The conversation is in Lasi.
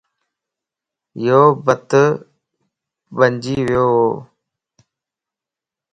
يو بت بنجي ويووَ